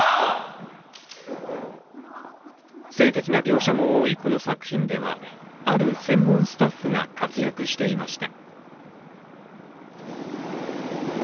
性的な描写も多いこの作品ではある専門スタッフが活躍していました。